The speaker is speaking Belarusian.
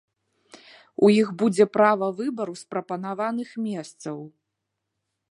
У іх будзе права выбару з прапанаваных месцаў.